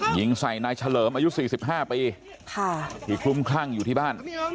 ยิงใส่นายเฉลิมอายุ๔๕ปีที่คลุ้มคลั่งอยู่ที่บ้าน